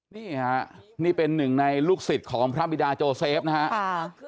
นี่ฮะนี่เป็นหนึ่งในลูกศิษย์ของพระบิดาโจเซฟนะครับ